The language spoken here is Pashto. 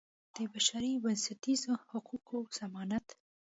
د بشري بنسټیزو حقوقو ضمانت.